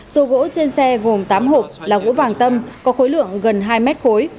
số gỗ trên xe gồm tám hộp là gỗ vàng tâm có khối lượng gần hai mét khối